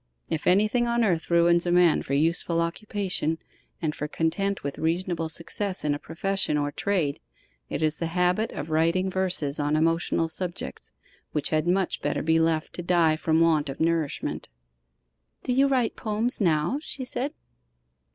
If anything on earth ruins a man for useful occupation, and for content with reasonable success in a profession or trade, it is the habit of writing verses on emotional subjects, which had much better be left to die from want of nourishment.' 'Do you write poems now?' she said.